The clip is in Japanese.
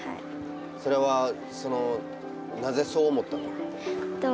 それはそのなぜそう思ったの？